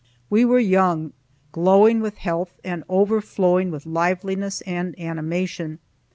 We were young, glowing with health and overflowing with liveliness and animation.